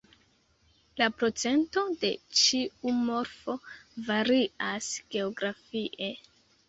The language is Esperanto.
La procento de ĉiu morfo varias geografie.